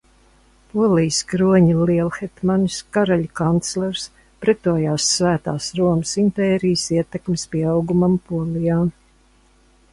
Polijas kroņa lielhetmanis, karaļa kanclers, pretojās Svētās Romas impērijas ietekmes pieaugumam Polijā.